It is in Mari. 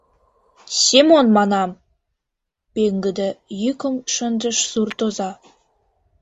— Семон манам! — пеҥгыде йӱкым шындыш суртоза.